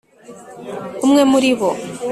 umwe muri bo,